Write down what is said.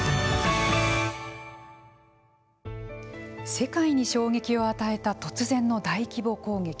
世界に衝撃を与えた突然の大規模攻撃。